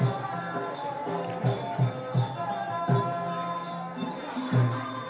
การทีลงเพลงสะดวกเพื่อความชุมภูมิของชาวไทย